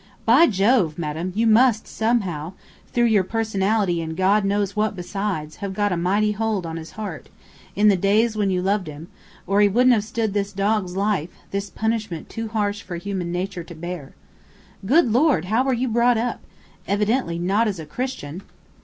By Jove, madame, you must somehow, through your personality and God knows what besides, have got a mighty hold on his heart, in the days when you loved him, or he wouldn't have stood this dog's life, this punishment too harsh for human nature to bear. Good Lord, how were you brought up? Evidently not as a Christian."